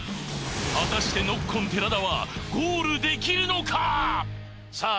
果たしてノッコン寺田はゴールできるのかさあ